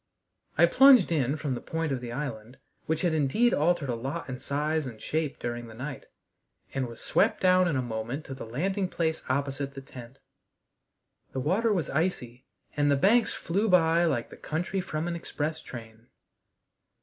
I plunged in from the point of the island, which had indeed altered a lot in size and shape during the night, and was swept down in a moment to the landing place opposite the tent. The water was icy, and the banks flew by like the country from an express train.